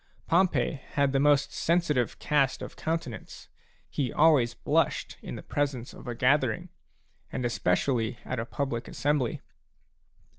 Pompey had the most sensitive cast of countenance ; he always blushed in the presence of a gathering, and especially at a public assembly.